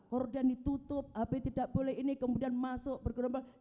gorden ditutup hape tidak boleh ini kemudian masuk bergerombolan